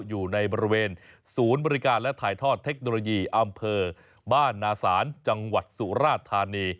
อยู่ในบริเวณศูนย์บริการและถ่ายทอดเทคโนโลยีอำเภอบ้านนาศาลจังหวัดสุราธานี